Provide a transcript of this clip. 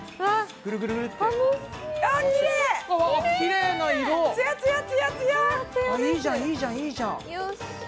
いいじゃんいいじゃんいいじゃん！